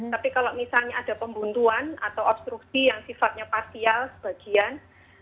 tapi kalau misalnya ada pembuntuan atau obstruksi yang sifatnya parsial sebagian